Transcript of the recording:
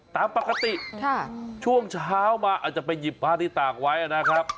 ตามปกติช่วงเช้ามาอาจจะไปหยิบผ้าที่ตากไว้นะครับ